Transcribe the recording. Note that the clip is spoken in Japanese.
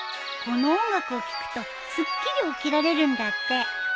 この音楽を聴くとすっきり起きられるんだって。